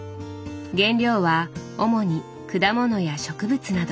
原料は主に果物や植物など。